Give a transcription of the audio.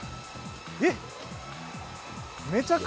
えっ！